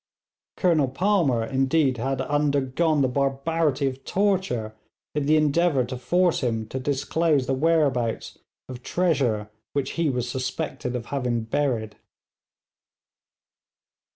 Colonel Palmer, indeed, had undergone the barbarity of torture in the endeavour to force him to disclose the whereabouts of treasure which he was suspected of having buried.